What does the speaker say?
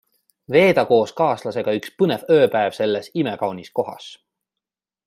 Veeda koos kaaslasega üks põnev ööpäev selles imekaunis kohas!